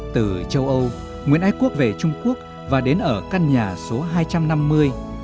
từ châu âu nguyễn ái quốc về trung quốc và đến ở căn nhà số hai trăm năm mươi đường văn minh